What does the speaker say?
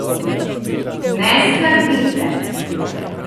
Ne skrbite.